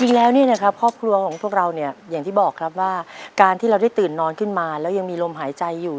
จริงแล้วเนี่ยนะครับครอบครัวของพวกเราเนี่ยอย่างที่บอกครับว่าการที่เราได้ตื่นนอนขึ้นมาแล้วยังมีลมหายใจอยู่